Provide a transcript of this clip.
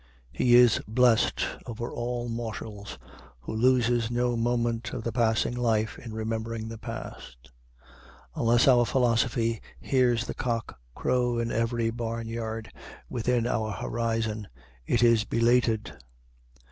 He is blessed over all mortals who loses no moment of the passing life in remembering the past. Unless our philosophy hears the cock crow in every barn yard within our horizon, it is belated.